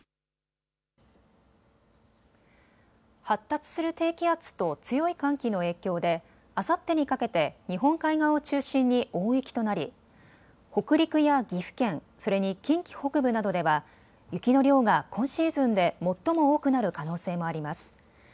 発達する低気圧と強い寒気の影響であさってにかけて日本海側を中心に大雪となり北陸や岐阜県、それに近畿北部などでは雪の量が今シーズンで最も多くなる可能性もあります。